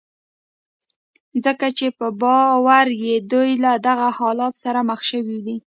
ځکه چې په باور يې دوی له دغه حالت سره مخ شوي دي.